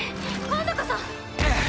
今度こそ！